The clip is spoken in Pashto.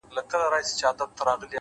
پوهه له پوښتنو پیل کېږي’